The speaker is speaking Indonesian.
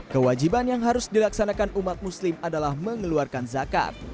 kewajiban yang harus dilaksanakan umat muslim adalah mengeluarkan zakat